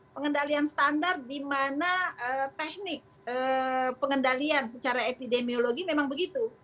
pengendalian standar di mana teknik pengendalian secara epidemiologi memang begitu